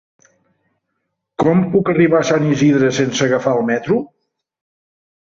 Com puc arribar a Sant Isidre sense agafar el metro?